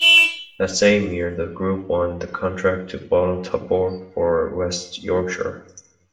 That same year the group won the contract to bottle Tuborg for West Yorkshire.